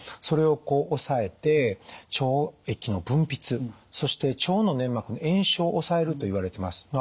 それをこう抑えて腸液の分泌そして腸の粘膜の炎症を抑えるといわれてます。